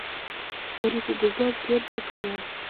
Корий кугыза пӧрдын кая.